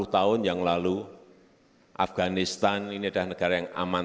sepuluh tahun yang lalu afganistan ini adalah negara yang aman